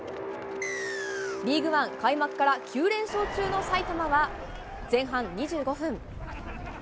リーグワン開幕から９連勝中の埼玉は、前半２５分。